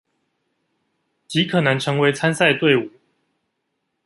極可能成為參賽隊伍